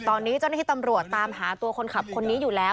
ตอนนี้เจ้าหน้าที่ตำรวจตามหาตัวคนขับคนนี้อยู่แล้ว